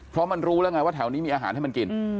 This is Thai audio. เพราะมันรู้แล้วไงว่าแถวนี้มีอาหารให้มันกิน